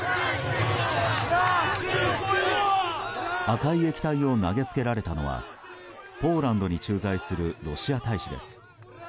赤い液体を投げつけられたのはポーランドに駐在するロシア大使です。